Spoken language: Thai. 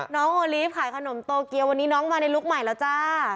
น้องโอลีฟขายขนมโตเกียววันนี้น้องมาในลุคใหม่แล้วจ้า